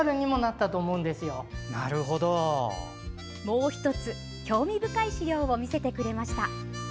もう１つ、興味深い資料を見せてくれました。